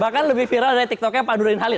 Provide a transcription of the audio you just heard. bahkan lebih viral dari tiktoknya pak durin halil